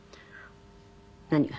何が？